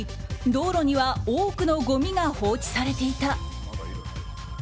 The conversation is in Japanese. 道路には多くのごみが放置されていた。